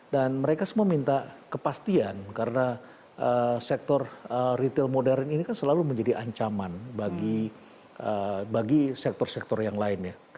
mereka semua minta kepastian karena sektor retail modern ini kan selalu menjadi ancaman bagi sektor sektor yang lain ya